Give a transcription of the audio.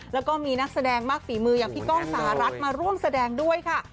แล้วก็มีนักแสดงมากฝีมืออย่างพี่ก้องสหรัฐมาร่วมแสดงด้วยค่ะ